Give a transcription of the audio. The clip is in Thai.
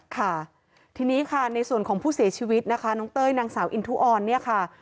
ค่ะทีนี้ค่ะในส่วนของผู้เสียชีวิตนะคะน้องเต้ยนางสาวอินทุออนเนี่ยค่ะ